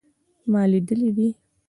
ما لیدلی دی